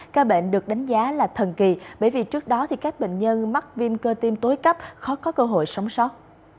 ca bệnh được đánh giá là thần kỳ bởi vì trước đó các bệnh nhân mắc viêm cơ tim tối cấp khó có cơ hội sống sót